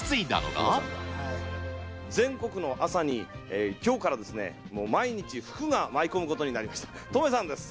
全国の朝にきょうからですね、もう毎日福が舞い込むことになりました、留さんです。